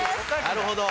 なるほど。